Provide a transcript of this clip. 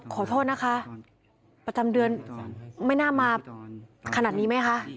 ขอโทษนะคะประจำเดือนไม่น่ามาขนาดนี้ไหมคะ